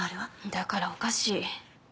だからおかしい。